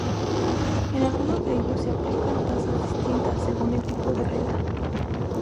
En algunos de ellos se aplican tasas distintas según el tipo de renta.